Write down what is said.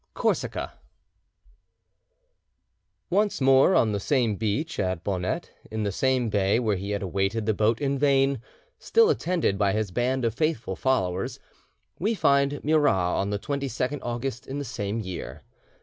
II—CORSICA Once more on the same beach at Bonette, in the same bay where he had awaited the boat in vain, still attended by his band of faithful followers, we find Murat on the 22nd August in the same year.